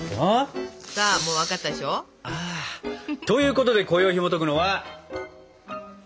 さあもう分かったでしょ？ということでこよいひもとくのは「棚橋弘至の水まんじゅう」。